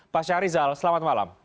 pak syarizal selamat malam